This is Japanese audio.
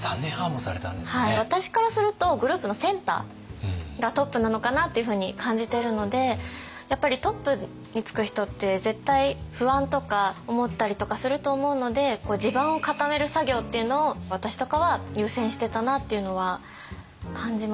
私からするとグループのセンターがトップなのかなっていうふうに感じてるのでやっぱりトップにつく人って絶対不安とか思ったりとかすると思うので地盤を固める作業っていうのを私とかは優先してたなっていうのは感じますね。